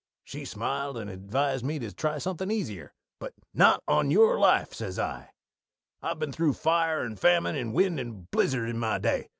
She smiled and advised me to try something easier; but, 'Not on your life!' says I. 'I've been through fire and famine and wind and blizzard in my day.